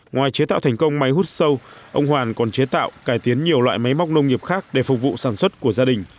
ngoài chế tạo thành công máy hút sâu ông hoàn còn chế tạo cải tiến nhiều loại máy móc nông nghiệp khác để phục vụ sản xuất của gia đình